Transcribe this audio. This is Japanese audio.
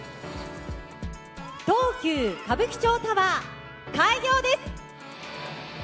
東急歌舞伎町タワー開業です！